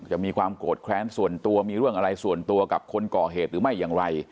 จะมีความโกรธแค้นส่วนตัวมีเรื่องอะไรส่วนตัวกับคนก่อเหตุหรือไม่อย่างไร